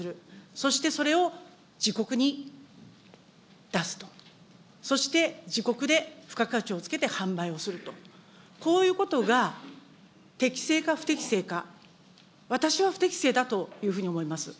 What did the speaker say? そしてそれを自国に出すと、自国で付加価値をつけて販売をすると、こういうことが適正か不適正か、私は不適正だというふうに思います。